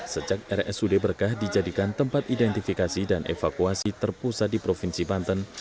sejak rsud berkah dijadikan tempat identifikasi dan evakuasi terpusat di provinsi banten